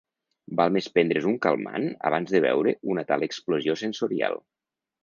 Val més prendre’s un calmant abans de veure una tal explosió sensorial.